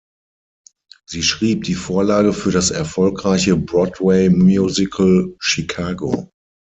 Sie schrieb die Vorlage für das erfolgreiche Broadway-Musical "Chicago".